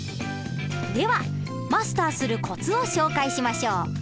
ではマスターするコツを紹介しましょう。